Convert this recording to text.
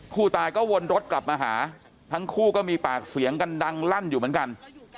ผู้ตายก็วนรถกลับมาหาทั้งคู่ก็มีปากเสียงกันดังลั่นอยู่เหมือนกัน